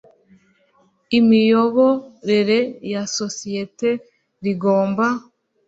imiyoborere ya sosiyete rigomba